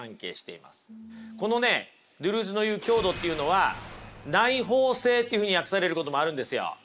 このねドゥルーズの言う強度っていうのは内包性っていうふうに訳されることもあるんですよ。